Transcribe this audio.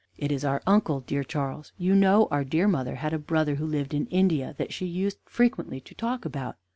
"It is our uncle, dear Charles. You know our dear mother had a brother who lived in India that she used frequently to talk about.